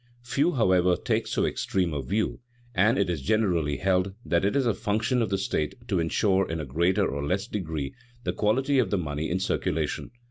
Few, however, take so extreme a view, and it is generally held that it is a function of the state to insure in a greater or less degree the quality of the money in circulation.